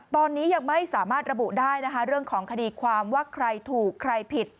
ตอนนี้ยังไม่สามารถระบุได้นะคะเรื่องของคดีความว่าใครถูกใครผิด